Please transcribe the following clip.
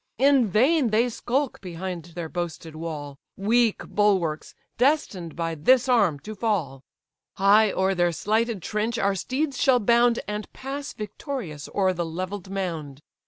In vain they skulk behind their boasted wall, Weak bulwarks; destined by this arm to fall. High o'er their slighted trench our steeds shall bound, And pass victorious o'er the levell'd mound.